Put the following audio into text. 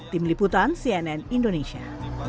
tim liputan cnn indonesia